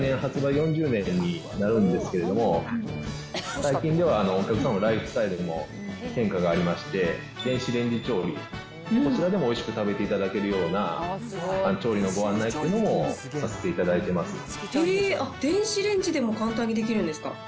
４０年になるんですけど、最近では、お客様のライフスタイルにも変化がありまして、電子レンジ調理、こちらでもおいしく食べていただけるような調理のご案内っていうえー、電子レンジでも簡単にできるんですか。